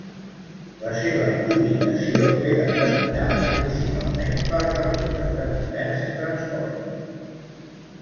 La seva ubicació ve determinada principalment per les rutes de comerç i transport.